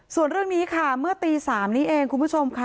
ส่วนเรื่องนี้ค่ะเมื่อตี๓นี้เองคุณผู้ชมค่ะ